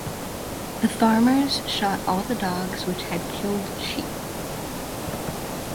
The farmers shot all the dogs which had killed sheep.